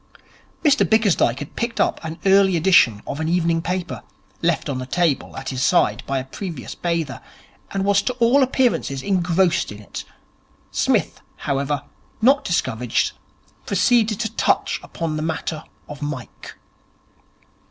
Mr Bickersdyke had picked up an early edition of an evening paper, left on the table at his side by a previous bather, and was to all appearances engrossed in it. Psmith, however, not discouraged, proceeded to touch upon the matter of Mike.